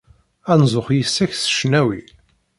Ad nzuxx yes-k s ccnawi.